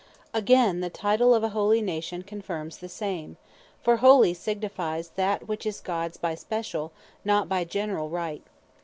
Again, the title of a Holy Nation confirmes the same: For Holy signifies, that which is Gods by speciall, not by generall Right.